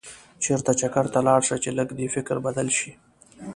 چېرته چکر ته لاړ شه چې لږ دې فکر بدل شي.